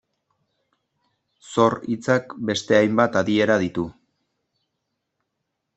Zor hitzak beste hainbat adiera ditu.